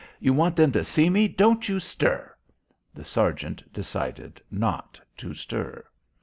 You want them to see me. Don't you stir." The sergeant decided not to stir.